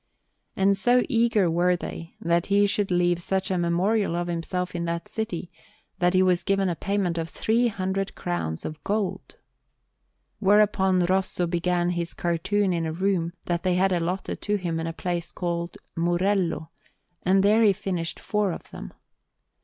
And so eager were they that he should leave such a memorial of himself in that city, that he was given a payment of three hundred crowns of gold. Whereupon Rosso began his cartoons in a room that they had allotted to him in a place called Murello; and there he finished four of them.